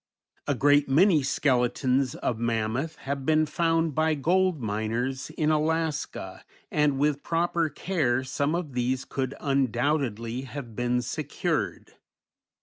A great many skeletons of mammoth have been found by gold miners in Alaska, and with proper care some of these could undoubtedly have been secured.